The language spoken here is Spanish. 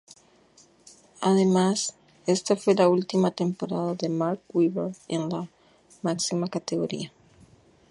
Además, esta fue la última temporada de Mark Webber en la máxima categoría.